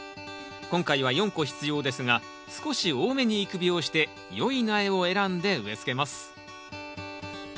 今回は４個必要ですが少し多めに育苗して良い苗を選んで植えつけます。